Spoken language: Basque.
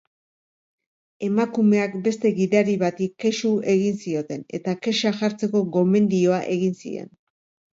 Emakumeak beste gidari bati kexu egin zioten eta kexa jartzeko gomendioa egin zien.